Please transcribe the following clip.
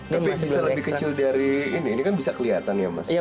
tapi bisa lebih kecil dari ini ini kan bisa kelihatan ya mas